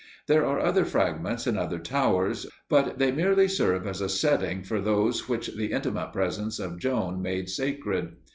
There are other fragments and other towers, but they merely serve as a setting for those which the intimate presence of Joan made sacred.